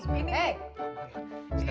ada meeting penting sama ini